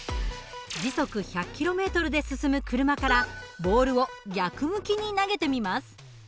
時速１００ｋｍで進む車からボールを逆向きに投げてみます。